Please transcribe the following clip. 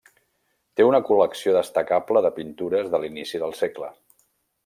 Té una col·lecció destacable de pintures de l'inici del segle.